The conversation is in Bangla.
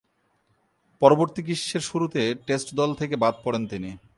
পরবর্তী গ্রীষ্মের শুরুতে টেস্ট দল থেকে বাদ পড়েন তিনি।